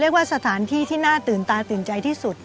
เรียกว่าสถานที่ที่น่าตื่นตาตื่นใจที่สุด